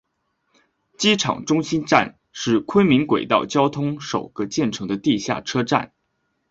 机场中心站是昆明轨道交通首个建成地下车站。